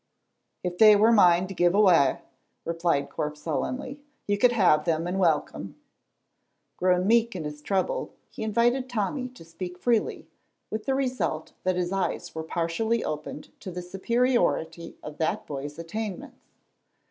"If they were mine to give awa'," replied Corp sullenly, "you could have them and welcome." Grown meek in his trouble, he invited Tommy to speak freely, with the result that his eyes were partially opened to the superiority of that boy's attainments.